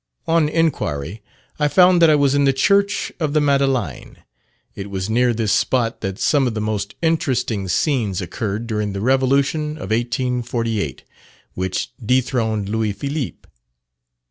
On inquiry, I found that I was in the Church of the Madeleine. It was near this spot that some of the most interesting scenes occurred during the Revolution of 1848, which dethroned Louis Philippe.